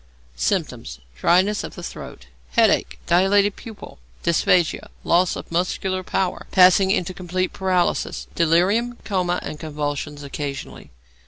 Symptoms. Dryness of throat, headache, dilated pupil, dysphagia, loss of muscular power, passing into complete paralysis. Delirium, coma, and convulsions, occasionally.